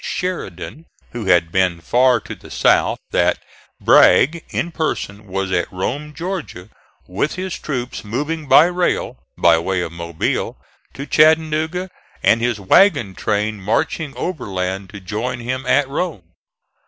Sheridan, who had been far to the south, that Bragg in person was at Rome, Georgia, with his troops moving by rail (by way of Mobile) to Chattanooga and his wagon train marching overland to join him at Rome.